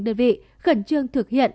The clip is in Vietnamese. đơn vị khẩn trương thực hiện